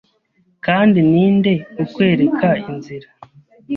Kandi ni nde ukwereka inzira